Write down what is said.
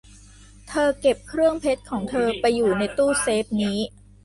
เธอเก็บเครื่องเพชรของเธอไปอยู่ในตู้เซฟนี้